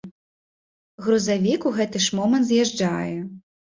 Грузавік у гэты ж момант з'язджае.